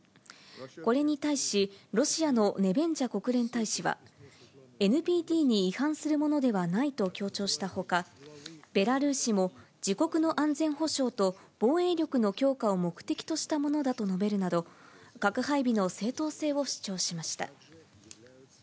これに対し、ロシアのネベンジャ国連大使は、ＮＰＴに違反するものではないと強調したほか、ベラルーシも自国の安全保障と防衛力の強化を目的としたものだと述べるなど、核配備の正当性を主張しました。